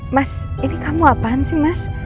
mas ini kamu apaan sih mas